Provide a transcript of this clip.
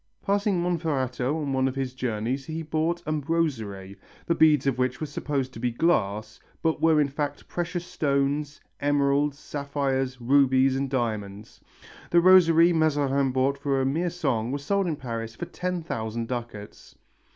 Passing Monferrato on one of his journeys he bought a rosary, the beads of which were supposed to be glass, but were in fact precious stones, emeralds, sapphires, rubies and diamonds. The rosary Mazarin bought for a mere song was sold in Paris for ten thousand ducats.